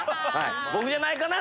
僕じゃないかな？